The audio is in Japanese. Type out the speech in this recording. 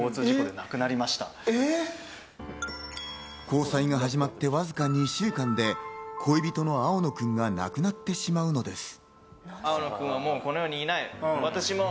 交際が始まってわずか２週間で恋人の青野くんが亡くなってしまうのです。